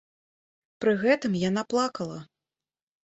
Пры гэтым яна плакала.